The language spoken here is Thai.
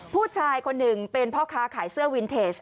ผู้ชายคนหนึ่งเป็นพ่อค้าขายเสื้อวินเทจ